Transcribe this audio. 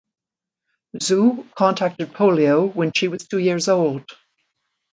Zhu contracted polio when she was two years old.